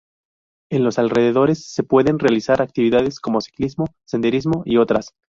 En los alrededores se pueden realizar actividades como ciclismo, senderismo y otras.